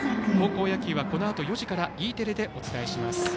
高校野球は、このあと４時からＥテレでお伝えします。